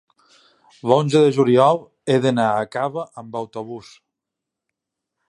l'onze de juliol he d'anar a Cava amb autobús.